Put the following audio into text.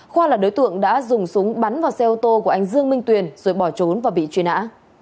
khoa là đối tượng đã dùng súng bắn vào xe ô tô của anh dương minh tuyền rồi bỏ trốn và bị truy nã